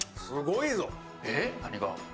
すごいぞ。